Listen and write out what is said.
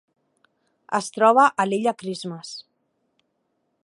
Es troba a l'Illa Christmas.